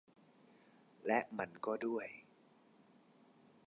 และมันก็ด้วย